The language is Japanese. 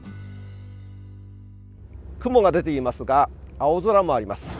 雲が出ていますが青空もあります。